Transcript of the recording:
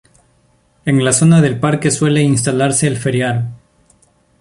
En la zona del Parque suele instalarse el ferial.